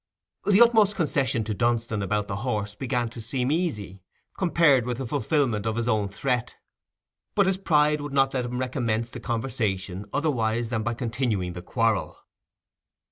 The utmost concession to Dunstan about the horse began to seem easy, compared with the fulfilment of his own threat. But his pride would not let him recommence the conversation otherwise than by continuing the quarrel.